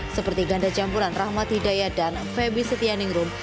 seperti ganda campuran rahmat hidayat dan feby setianingrum